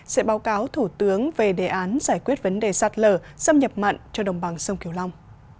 sẽ báo cáo thủ tướng về đề án giải quyết vấn đề sạt lở xâm nhập mặn cho đồng bằng sông kiều long